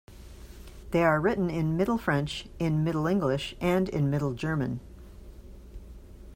They are written in Middle French, in Middle English and in Middle German.